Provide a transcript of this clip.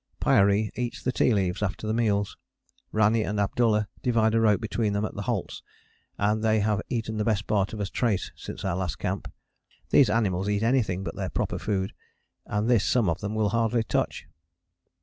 Pyaree eats the tea leaves after meals: Rani and Abdullah divide a rope between them at the halts; and they have eaten the best part of a trace since our last camp. These animals eat anything but their proper food, and this some of them will hardly touch.